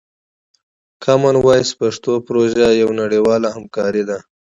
کامن وایس پښتو پروژه یوه نړیواله همکاري ده.